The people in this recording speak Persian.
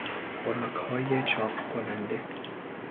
خوراکهای چاق کننده